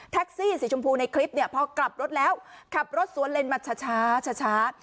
สีชมพูในคลิปเนี่ยพอกลับรถแล้วขับรถสวนเลนมาช้า